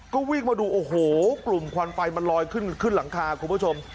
ก็วิ่งมาดูโอ้โหกลุ่มควันไฟมันลอยขึ้นหลังคาคุณผู้ชม